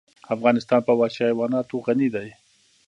افغانستان په وحشي حیوانات غني دی.